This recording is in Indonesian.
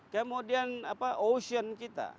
kemudian ocean kita